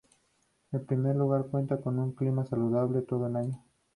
En primer lugar, cuenta con un clima saludable todo el año.